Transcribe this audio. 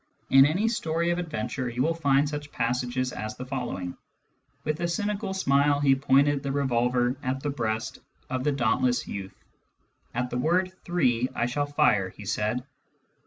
In any story of adventure you will find such passages as the following :" With a cynical smile he pointed the revolver at the breast of the dauntless youth. *At the word three I shall fire,' he said.